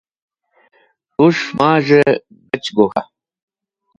Tus̃h maz̃hẽ gach gok̃ha?